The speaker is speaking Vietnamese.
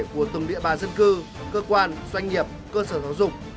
của từng địa bà dân cư cơ quan doanh nghiệp cơ sở giáo dục